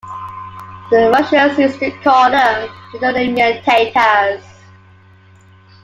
The Russians used to call them the Chulymian Tatars.